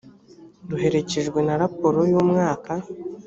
ruherekejwe na raporo y umwaka